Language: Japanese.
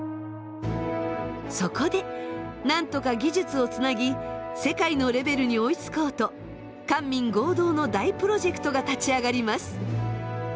そこでなんとか技術をつなぎ世界のレベルに追いつこうと官民合同の大プロジェクトが立ち上がります。